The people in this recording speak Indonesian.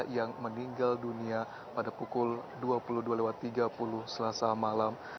yang meninggal dunia pada pukul dua puluh dua tiga puluh selasa malam